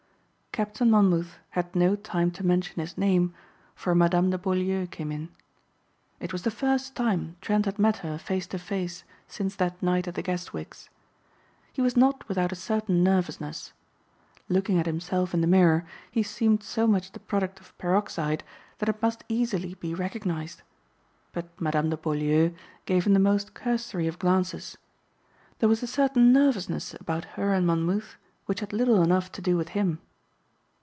Captain Monmouth had no time to mention his name for Madame de Beaulieu came in. It was the first time Trent had met her face to face since that night at the Guestwick's. He was not without a certain nervousness. Looking at himself in the mirror he seemed so much the product of peroxide that it must easily be recognized. But Madame de Beaulieu gave him the most cursory of glances. There was a certain nervousness about her and Monmouth which had little enough to do with him.